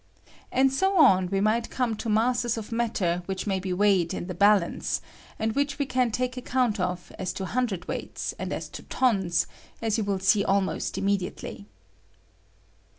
And bo on we might come to masses of matter which may be weighed in the balance, and which we can take account of as to hundred weights and aa to tons, aa you will see almost immediately.